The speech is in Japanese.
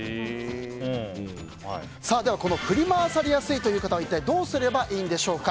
振り回されやすいという方は一体どうすればいいんでしょうか。